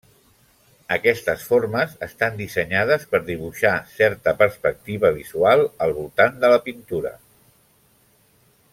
Aquestes formes estan dissenyades per dibuixar certa perspectiva visual al voltant de la pintura.